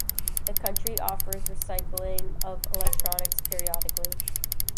The county offers recycling of electronics periodically.